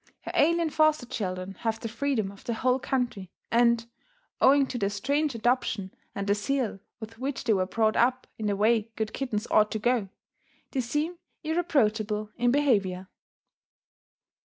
Her alien foster children have the freedom of the whole country and, owing to their strange adoption and the zeal with which they were brought up in the way good kittens ought to go, they seem irreproachable in behavior.